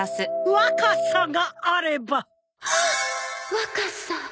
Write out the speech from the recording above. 若さ。